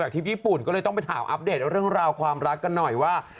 ที่ญี่ปุ่นก็เลยต้องไปถามอัปเดตเรื่องราวความรักกันหน่อยว่า